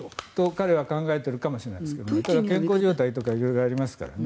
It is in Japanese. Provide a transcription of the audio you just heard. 彼はそう考えているかもしれないけど健康状態とか色々ありますからね。